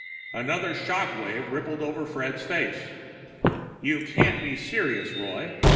Another shock wave rippled over Fred's face. "You can't be serious, Roy.